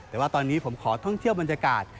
แต่ว่าตอนนี้ผมขอท่องเที่ยวบรรยากาศ